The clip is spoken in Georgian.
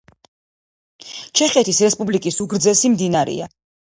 ჩეხეთის რესპუბლიკის უგრძესი მდინარეა.